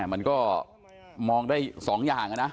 มันก็มองได้๒อย่างนะ